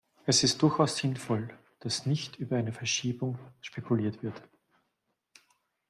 Es ist durchaus sinnvoll, dass nicht über eine Verschiebung spekuliert wird.